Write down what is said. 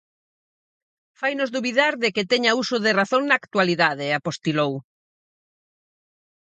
"Fainos dubidar de que teña uso de razón na actualidade", apostilou.